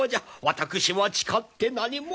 私は誓って何も。